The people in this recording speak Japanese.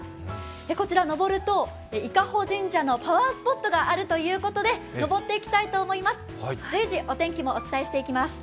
こちら上ると伊香保神社のパワースポットがあるということで上っていきたいと思います。